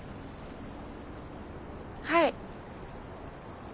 はい。